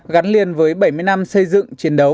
gắn liền với bảy mươi năm xây dựng chiến đấu